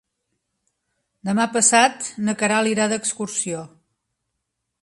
Demà passat na Queralt irà d'excursió.